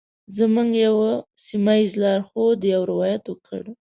زموږ یوه سیمه ایز لارښود یو روایت وکړ.